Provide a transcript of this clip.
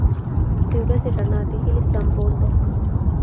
• د ورځې رڼا د هیلې سمبول دی.